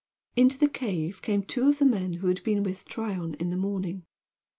Into the cave came two of the men who had been with Tryon in the morning.